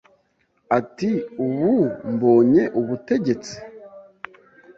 ati ubu mbonye ubutegetsi,